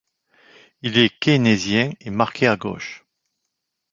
Il est keynésien, et marqué à gauche.